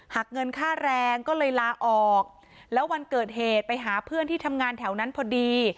หักเงินค่าแรงก็เลยลาออกแล้ววันเกิดเหตุไปหาเพื่อนที่ทำงานแถวนั้นพอดี